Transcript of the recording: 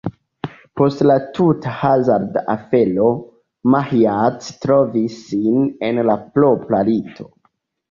Post la tuta hazarda afero, Maĥiac trovis sin en la propra lito.